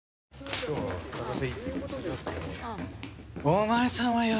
お前さんはよ